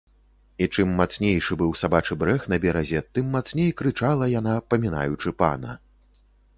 І чым мацнейшы быў сабачы брэх на беразе, тым мацней крычала яна, памінаючы пана.